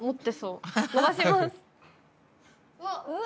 うわっ！